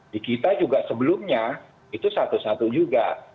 di kita juga sebelumnya itu satu satu juga